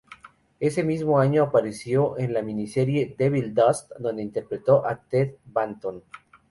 Ese mismo año apareció en la miniserie Devil's Dust donde interpretó a Ted Banton.